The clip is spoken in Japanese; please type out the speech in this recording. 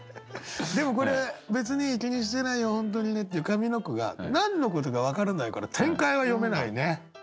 でもこれ「別にいい気にしてないよほんとにね」っていう上の句が何のことか分からないから展開は読めないね。